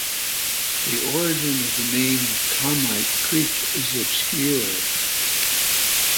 The origin of the name "Comite Creek" is obscure.